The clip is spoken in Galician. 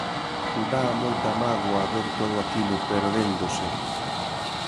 Dá moita mágoa ver todo aquilo perdéndose.